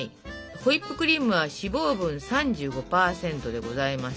ホイップクリームは脂肪分３５％でございます。